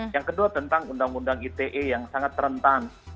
yang kedua tentang undang undang ite yang sangat rentan